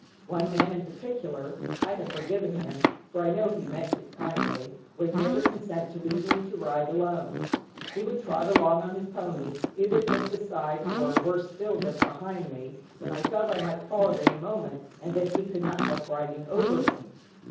One man in particular (I have forgiven him, for I know he meant it kindly) would never consent to leave me to ride alone. He would trot along on his pony, either just beside, or worse still just behind me, when I felt I might fall at any moment, and that he could not help riding over me.